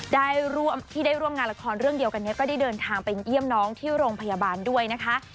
ได้ร่วมที่ได้ร่วมงานละครเรื่องเดียวกันนี้ก็ได้เดินทางไปเยี่ยมน้องที่โรงพยาบาลด้วยนะคะ